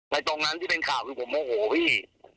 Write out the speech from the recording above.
ตรงนั้นที่เป็นข่าวคือผมโมโหพี่